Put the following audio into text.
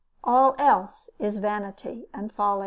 All else is vanity and folly.